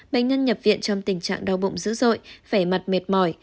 bệnh nhân nhập viện trong tình trạng đau bụng dữ dội khỏe mặt mệt mỏi